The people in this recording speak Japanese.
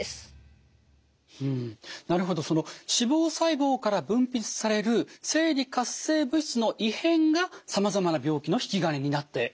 なるほど脂肪細胞から分泌される生理活性物質の異変がさまざまな病気の引き金になっていたということなんですね。